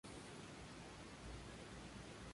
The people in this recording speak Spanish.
Es la hermana menor de la modelo Frankie Rayder.